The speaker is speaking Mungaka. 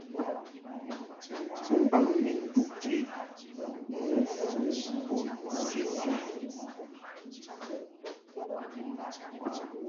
Bunbaŋ ni nduʼti nǔfu bun sisi.